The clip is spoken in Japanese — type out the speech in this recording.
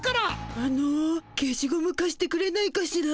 あの消しゴムかしてくれないかしら。